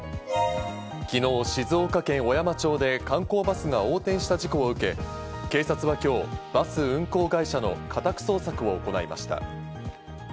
昨日、静岡県小山町で観光バスが横転した事故を受け、警察が今日、バス運行会社の家宅捜索を行いました。